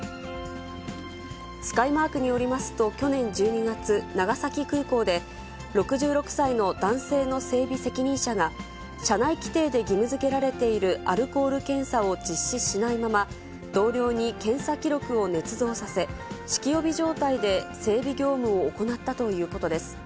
スカイマークによりますと、去年１２月、長崎空港で、６６歳の男性の整備責任者が、社内規程で義務づけられているアルコール検査を実施しないまま、同僚に検査記録をねつ造させ、酒気帯び状態で整備業務を行ったということです。